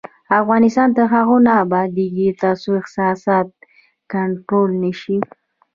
افغانستان تر هغو نه ابادیږي، ترڅو احساسات کنټرول نشي.